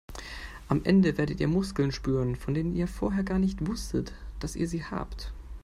Am Ende werdet ihr Muskeln spüren, von denen ihr vorher gar nicht wusstet, dass ihr sie habt.